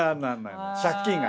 ⁉借金がね。